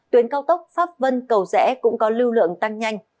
tuyến cao tốc pháp vân cầu rẽ cũng có lưu lượng tăng nhanh